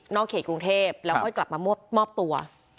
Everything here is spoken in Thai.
เขตกรุงเทพแล้วค่อยกลับมามอบตัว